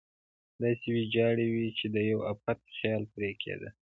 داسې ویجاړې وې چې د یوه افت خیال پرې کېده.